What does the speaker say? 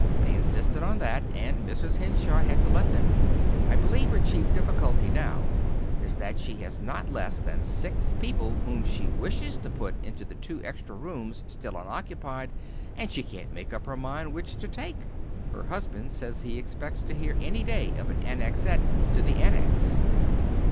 They insisted on that, and Mrs. Henshaw had to let them. I believe her chief difficulty now is that she has not less than six people whom she wishes to put into the two extra rooms still unoccupied, and she can't make up her mind which to take. Her husband says he expects to hear any day of an Annexette to the Annex."